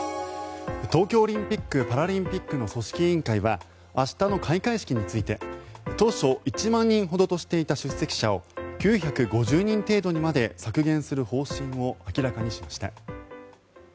東京オリンピック・パラリンピックの組織委員会は明日の開会式について当初、１万人ほどとしていた出席者を９５０人程度にまで削減する方針を明らかにしました。